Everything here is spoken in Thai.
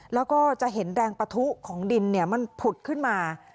แล้วก็จะเห็นแรงปะทุของดินมันผุดขึ้นมา